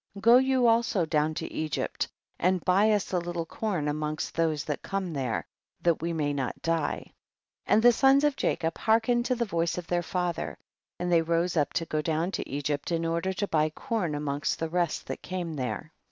go you also down to Egypt and buy us a little corn amongst those that come there, that we may not die. 3. And the sons of Jacob hearken ed to the voice of their father, and they rose up to go down to Egypt in order to buy corn amongst the rest that came there.